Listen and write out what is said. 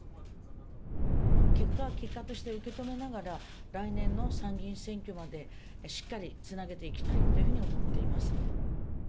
結果は結果として受け止めながら、来年の参議院選挙まで、しっかりつなげていきたいというふうに思っています。